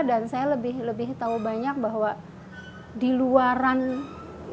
dan saya lebih tahu banyak bahwa di luaran itu masya allah ya